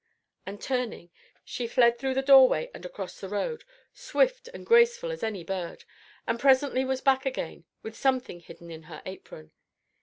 And turning, she fled through the doorway and across the road, swift and graceful as any bird, and presently was back again, with something hidden in her apron.